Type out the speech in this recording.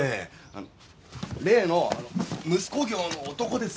あの例のあの息子業の男ですよ。